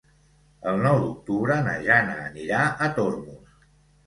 El nou d'octubre na Jana anirà a Tormos.